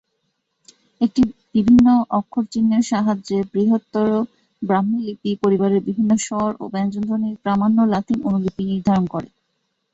এটি বিভিন্ন অক্ষর-চিহ্নের সাহায্যে বৃহত্তর ব্রাহ্মী লিপি পরিবারের বিভিন্ন স্বর ও ব্যঞ্জন ধ্বনির প্রামাণ্য লাতিন অনুলিপি নির্ধারণ করে।